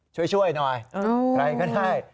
ช่วยหน่อยใครก็ได้